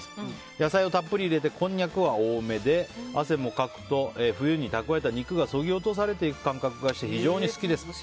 野菜をたっぷり入れてこんにゃくも多めに入れて汗もかくと冬に蓄えた肉がそぎ落とされていく感覚がして好きです。